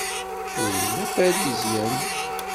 Win d Aparizyan.